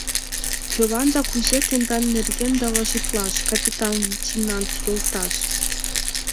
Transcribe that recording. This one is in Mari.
— Кӧлан да кузе тендан нерген доложитлаш, капитан-лейтенант йолташ?